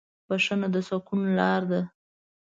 بښنه د سکون لاره ده.